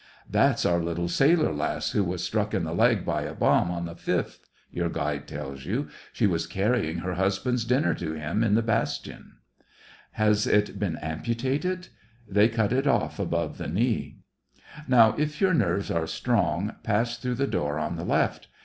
"■ That's our little sailor lass who was struck in the leg by a bomb on the 5th," your guide tells you. *' She was carrying her husband's dinner to him in the bastion." SEVASTOPOL IN DECEMBER. 17 " Has it been amputated ?"" They cut it off above the knee." Now, if your nerves are strong, pass through the door on the left.